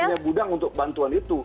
punya gudang untuk bantuan itu